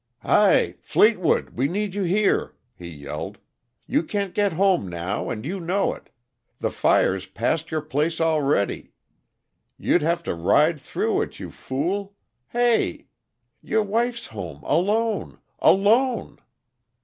"Hi! Fleetwood, we need you here!" he yelled. "You can't get home now, and you know it. The fire's past your place already; you'd have to ride through it, you fool! Hey? Your wife home alone _alone!